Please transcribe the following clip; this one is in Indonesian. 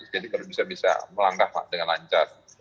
jadi kalau bisa bisa melangkah dengan lancar